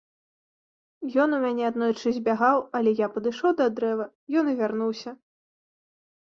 Ён у мяне аднойчы збягаў, але я падышоў да дрэва, ён і вярнуўся.